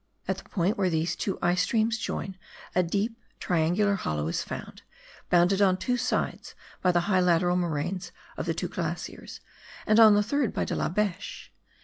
At the point where these two ice streams join, a deep triangular hollow is found, bounded on two sides by the high lateral moraines of the two glaciers, and on the third by De la Beche.